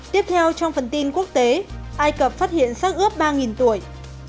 tiếp theo trong phần tin quốc tế ai cập phát hiện sát ướp ba tuổi